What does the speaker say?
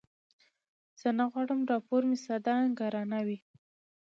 زه نه غواړم راپور مې ساده انګارانه وي.